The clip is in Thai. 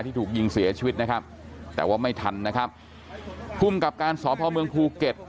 ถูกยิงเสียชีวิตนะครับแต่ว่าไม่ทันนะครับภูมิกับการสพเมืองภูเก็ต